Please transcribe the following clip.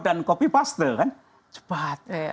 dan copy paste kan cepat